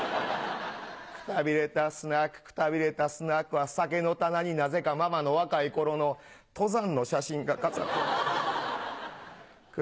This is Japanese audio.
くたびれたスナックくたびれたスナックは酒の棚になぜかママの若い頃の登山の写真が飾ってある。